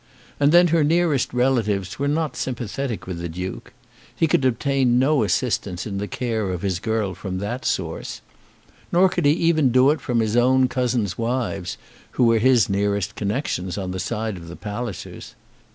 And then her nearest relatives were not sympathetic with the Duke. He could obtain no assistance in the care of his girl from that source. Nor could he even do it from his own cousins' wives, who were his nearest connections on the side of the Pallisers.